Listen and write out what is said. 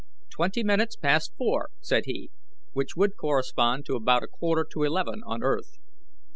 "Twenty minutes past four," said he, "which would correspond to about a quarter to eleven on earth.